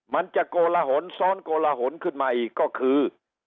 มันจะโกลหนซ้อนโกลหนขึ้นมาอีกก็คือ